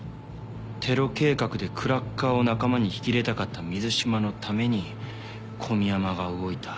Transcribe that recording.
テロ計画でクラッカーを仲間に引き入れたかった水島のために小宮山が動いた。